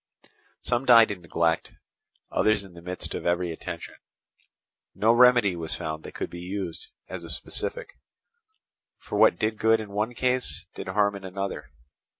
Some died in neglect, others in the midst of every attention. No remedy was found that could be used as a specific; for what did good in one case, did harm in another.